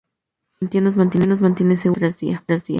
Su valentía nos mantiene seguros día tras día".